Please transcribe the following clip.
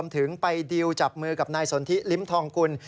ถึงไปดิวจับมือกับนายสนทิลิ้มทองกุล